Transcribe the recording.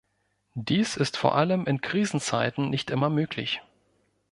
Dies ist vor allem in Krisenzeiten nicht immer möglich.